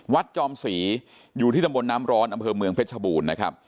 จอมศรีอยู่ที่ตำบลน้ำร้อนอำเภอเมืองเพชรบูรณ์นะครับ